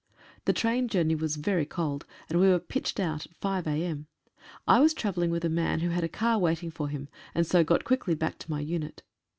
The train journey was very cold, and we were pitched out at 5 a.m. I was travelling with a man who had a car waiting for him, and so got quickly back to my unit.